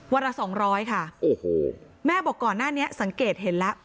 วันละ๒๐๐ค่ะแม่บอกก่อนหน้านี้สังเกตเห็นแล้ว